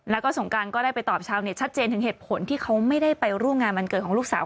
แล้วก็สงการก็ได้ไปตอบชาวเน็ตชัดเจนถึงเหตุผลที่เขาไม่ได้ไปร่วมงานวันเกิดของลูกสาว